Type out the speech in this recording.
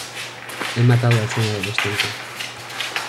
He matado al sueño adolescente.